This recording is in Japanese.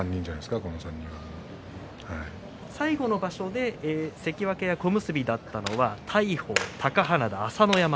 最後の場所で関脇小結だったのは大鵬貴花田、朝乃山